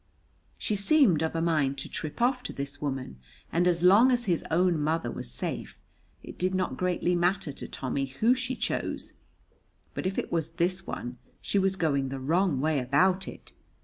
She seemed of a mind to trip off to this woman, and as long as his own mother was safe, it did not greatly matter to Tommy whom she chose, but if it was this one, she was going the wrong way about it.